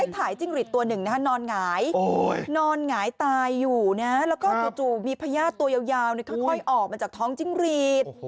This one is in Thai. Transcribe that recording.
ตัวหนึ่งนอนหงายตายอยู่นะแล้วก็มีพยาธิตัวยาวค่อยออกมาจากท้องจิ้งหรีด